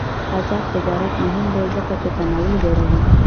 آزاد تجارت مهم دی ځکه چې تنوع لوړوی.